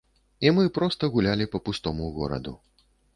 І мы проста гулялі па пустому гораду.